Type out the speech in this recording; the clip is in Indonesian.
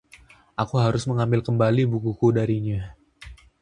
Aku harus mengambil kembali bukuku darinya.